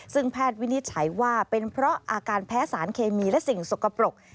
ซึ่งแพทย์วินิจฉัยว่าเป็นเพราะอาการแพ้สารเคมีและสิ่งสกปรก